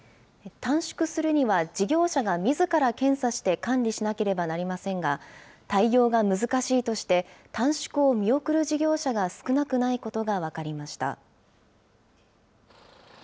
短縮するには事業者がみずから検査して、管理しなければなりませんが、対応が難しいとして、短縮を見送る事業者が少なくないことが分かりました。